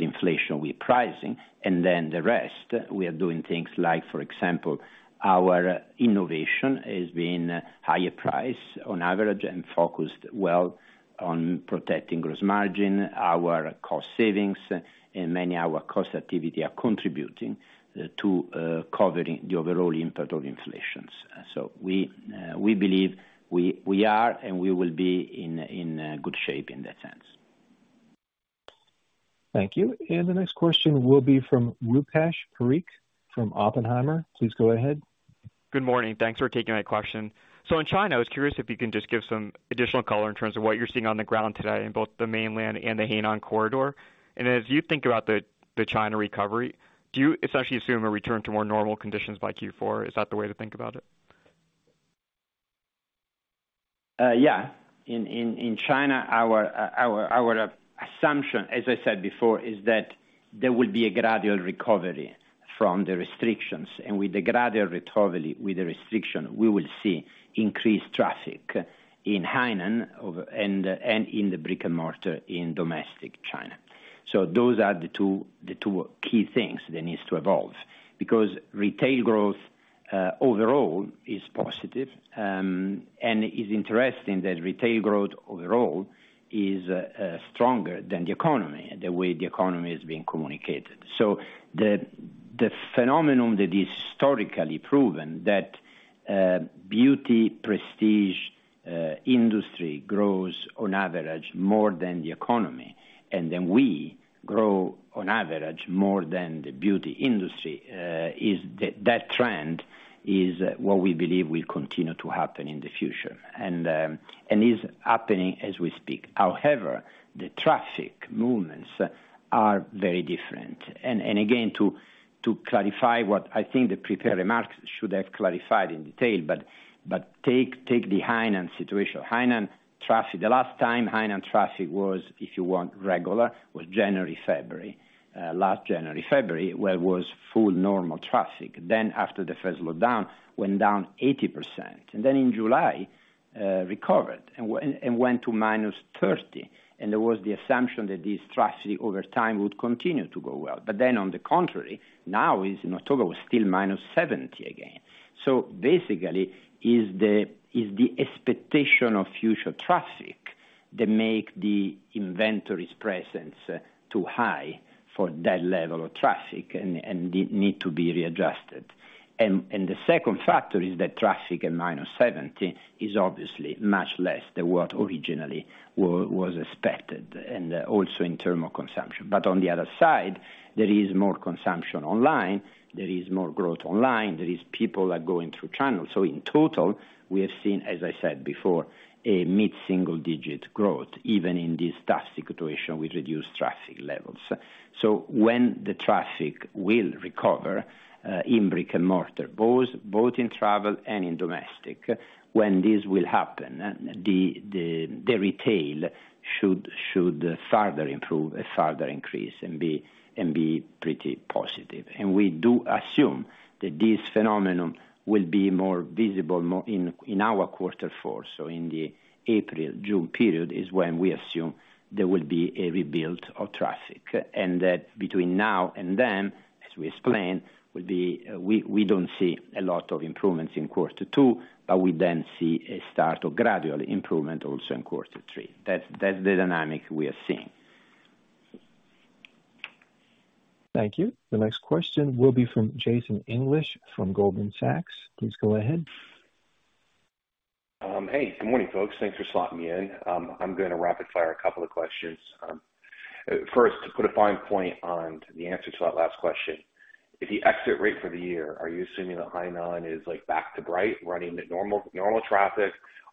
inflation with pricing. The rest, we are doing things like, for example, our innovation has been higher priced on average and focused well on protecting gross margin. Our cost savings, and many of our cost activities are contributing to covering the overall impact of inflation. We believe we are and we will be in good shape in that sense. Thank you. The next question will be from Rupesh Parikh from Oppenheimer. Please go ahead. Good morning. Thanks for taking my question. In China, I was curious if you can just give some additional color in terms of what you're seeing on the ground today in both the mainland and the Hainan corridor. As you think about the China recovery, do you essentially assume a return to more normal conditions by Q4? Is that the way to think about it? Yeah. In China, our assumption, as I said before, is that there will be a gradual recovery from the restrictions. With the gradual recovery from the restrictions, we will see increased traffic in Hainan and in the brick-and-mortar in domestic China. Those are the two key things that needs to evolve. Because retail growth overall is positive. It is interesting that retail growth overall is stronger than the economy, the way the economy is being communicated. The phenomenon that is historically proven that prestige beauty industry grows on average more than the economy, and then we grow on average more than the beauty industry, is that trend is what we believe will continue to happen in the future. Is happening as we speak. However, the traffic movements are very different. Again, to clarify what I think the prepared remarks should have clarified in detail, but take the Hainan situation. Hainan traffic, the last time Hainan traffic was, if you want, regular, was January, February. Last January, February, where was full normal traffic. Then after the first lockdown went down 80%, and then in July, recovered and went to -30%. There was the assumption that this traffic over time would continue to go well. On the contrary, now in October, was still -70% again. Basically is the expectation of future traffic that make the inventory's presence too high for that level of traffic and need to be readjusted. The second factor is that traffic at -70% is obviously much less than what originally was expected, and also in terms of consumption. On the other side, there is more consumption online, there is more growth online, there are people going through channels. In total, we have seen, as I said before, a mid-single-digit growth, even in this traffic situation with reduced traffic levels. When the traffic will recover in brick-and-mortar, both in travel and in domestic, when this will happen, the retail should further improve and further increase and be pretty positive. We do assume that this phenomenon will be more visible in our quarter four. In the April-June period is when we assume there will be a rebuild of traffic. That between now and then, as we explained, will be, we don't see a lot of improvements in quarter two, but we then see a start of gradual improvement also in quarter three. That's the dynamic we are seeing. Thank you. The next question will be from Jason English from Goldman Sachs. Please go ahead. Hey, good morning, folks. Thanks for slotting me in. I'm gonna rapid fire a couple of questions. First, to put a fine point on the answer to that last question. If you exit rate for the year, are you assuming that Hainan is like back to bright, running at normal traffic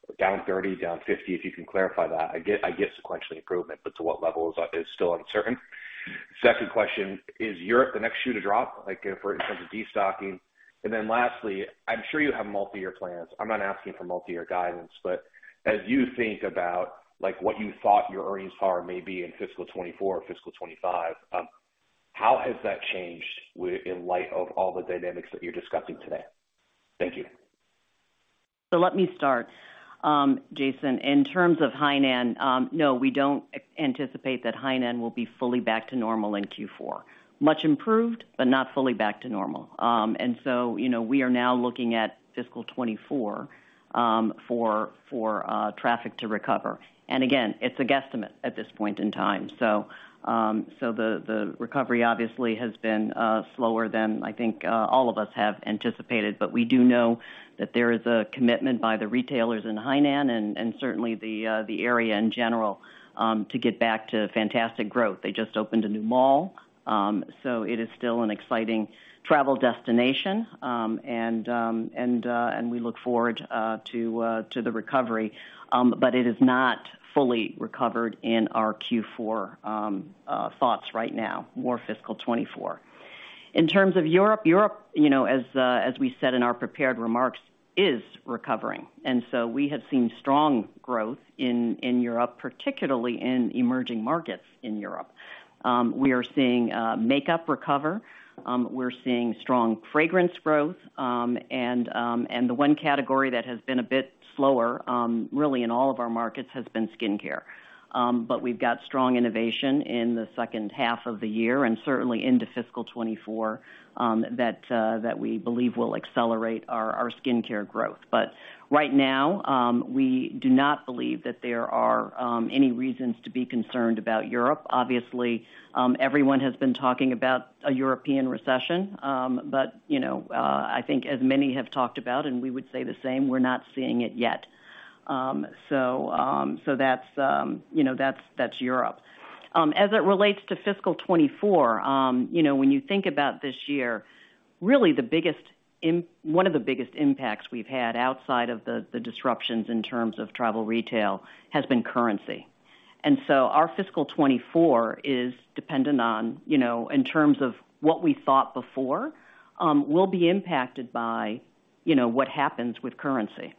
or down 30, down 50? If you can clarify that. I get sequential improvement, but to what level is still uncertain. Second question, is Europe the next shoe to drop, like, for in terms of destocking? And then lastly, I'm sure you have multi-year plans. I'm not asking for multi-year guidance, but as you think about, like, what you thought your earnings power may be in fiscal 2024 or fiscal 2025, how has that changed in light of all the dynamics that you're discussing today? Thank you. Let me start, Jason. In terms of Hainan, no, we don't anticipate that Hainan will be fully back to normal in Q4. Much improved, but not fully back to normal. You know, we are now looking at fiscal 2024 for traffic to recover. Again, it's a guesstimate at this point in time. The recovery obviously has been slower than I think all of us have anticipated. We do know that there is a commitment by the retailers in Hainan and certainly the area in general to get back to fantastic growth. They just opened a new mall, so it is still an exciting travel destination. We look forward to the recovery, but it is not fully recovered in our Q4 thoughts right now, more fiscal 2024. In terms of Europe, as we said in our prepared remarks, is recovering. We have seen strong growth in Europe, particularly in emerging markets in Europe. We are seeing makeup recover. We're seeing strong fragrance growth. The one category that has been a bit slower, really in all of our markets, has been skincare. But we've got strong innovation in the second half of the year and certainly into fiscal 2024, that we believe will accelerate our skincare growth. Right now, we do not believe that there are any reasons to be concerned about Europe. Obviously, everyone has been talking about a European recession, but you know, I think as many have talked about, and we would say the same, we're not seeing it yet. That's you know, that's Europe. As it relates to fiscal 2024, you know, when you think about this year, really one of the biggest impacts we've had outside of the disruptions in terms of travel retail has been currency. Our fiscal 2024 is dependent on, you know, in terms of what we thought before, will be impacted by, you know, what happens with currency.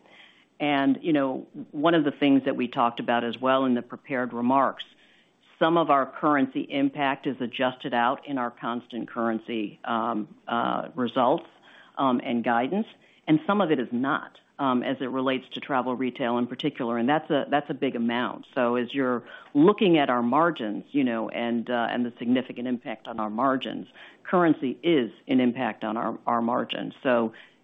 You know, one of the things that we talked about as well in the prepared remarks, some of our currency impact is adjusted out in our constant currency results and guidance, and some of it is not, as it relates to travel retail in particular, and that's a big amount. As you're looking at our margins, you know, and the significant impact on our margins, currency is an impact on our margins.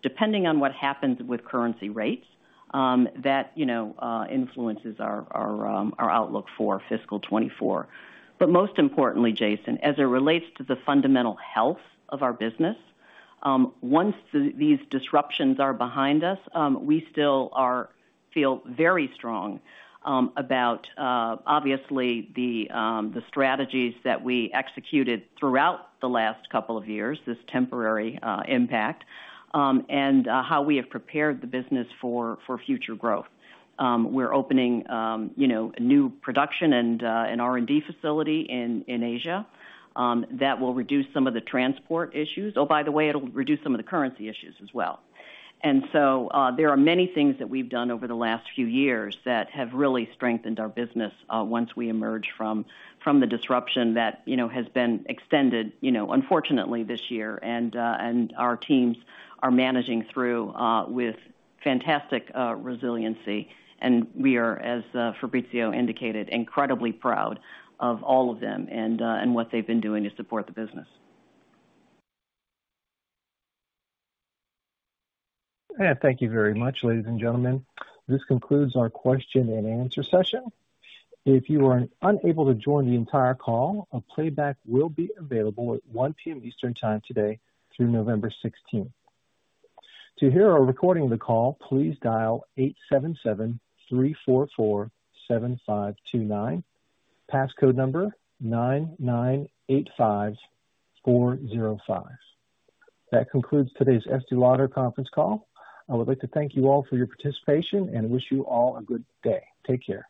Depending on what happens with currency rates, that you know influences our outlook for fiscal 2024. Most importantly, Jason, as it relates to the fundamental health of our business, once these disruptions are behind us, we feel very strong about obviously the strategies that we executed throughout the last couple of years, this temporary impact and how we have prepared the business for future growth. We're opening, you know, a new production and an R&D facility in Asia that will reduce some of the transport issues. Oh, by the way, it'll reduce some of the currency issues as well. There are many things that we've done over the last few years that have really strengthened our business once we emerge from the disruption that, you know, has been extended, you know, unfortunately this year. Our teams are managing through with fantastic resiliency. We are, as Fabrizio indicated, incredibly proud of all of them and what they've been doing to support the business. Thank you very much, ladies and gentlemen. This concludes our question and answer session. If you are unable to join the entire call, a playback will be available at 1:00 P.M. Eastern Time today through November 16. To hear a recording of the call, please dial 877-344-7529. Passcode number 9985405. That concludes today's Estée Lauder conference call. I would like to thank you all for your participation and wish you all a good day. Take care.